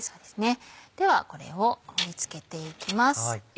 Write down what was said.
ではこれを盛り付けていきます。